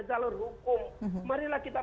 jalur hukum marilah kita